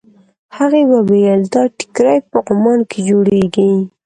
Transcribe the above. هغې وویل دا ټیکري په عمان کې جوړېږي.